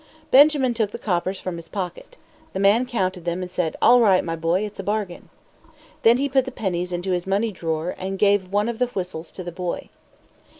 Benjamin took the coppers from his pocket. The man counted them and said, "All right, my boy. It's a bargain." Then he put the pennies into his money drawer, and gave one of the whistles to the boy.